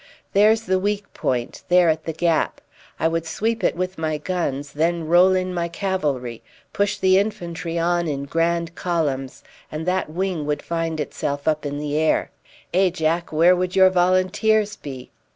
There's the weak point, there at the gap. I would sweep it with my guns, then roll in my cavalry, push the infantry on in grand columns, and that wing would find itself up in the air. Eh, Jack, where would your volunteers be?"